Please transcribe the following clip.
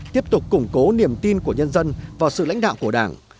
tiếp tục củng cố niềm tin của nhân dân vào sự lãnh đạo của đảng